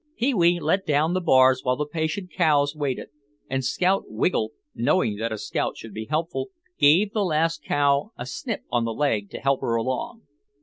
Pee wee let down the bars while the patient cows waited, and Scout Wiggle (knowing that a scout should be helpful) gave the last cow a snip on the leg to help her along.